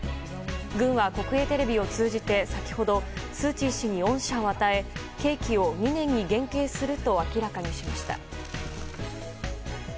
軍は、国営テレビを通じて先ほどスー・チー氏に恩赦を与え刑期を２年に減刑すると明らかにしました。